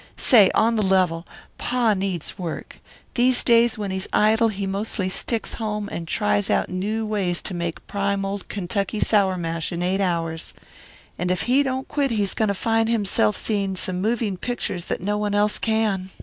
"Say, on the level, pa needs work. These days when he's idle he mostly sticks home and tries out new ways to make prime old Kentucky sour mash in eight hours. If he don't quit he is going to find himself seeing some moving pictures that no one else can.